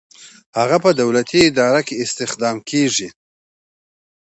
هغه په دولتي اداره کې استخدام کیږي.